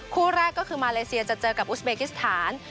คู่แรกก็คือมาเลเซียจะเจอกับอุสเบกิสถาน